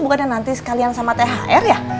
bukan ada nanti sekalian sama thr ya